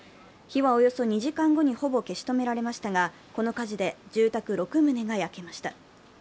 火はおよそ２時間後にほぼ消し止められましたがこの火事で住宅６棟が焼けました。